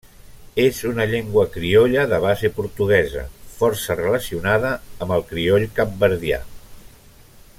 És una llengua criolla de base portuguesa, força relacionada amb el crioll capverdià.